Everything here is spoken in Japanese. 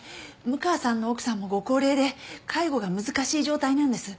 六川さんの奥さんもご高齢で介護が難しい状態なんです。